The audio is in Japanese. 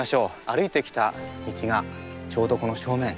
歩いてきた道がちょうどこの正面。